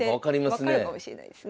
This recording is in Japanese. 分かるかもしれないですね。